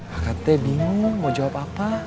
hkt bingung mau jawab apa